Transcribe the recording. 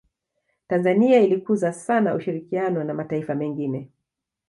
tanzania ilikuza sana ushirikiano na mataifa mengine